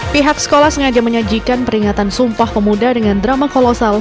pihak sekolah sengaja menyajikan peringatan sumpah pemuda dengan drama kolosal